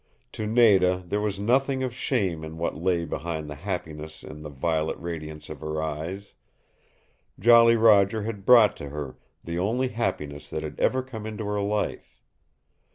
To Nada there was nothing of shame in what lay behind the happiness in the violet radiance of her eyes. Jolly Roger had brought to her the only happiness that had ever come into her life.